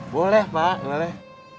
boleh pak boleh